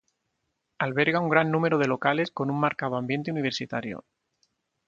Alberga un gran número de locales con un marcado ambiente universitario.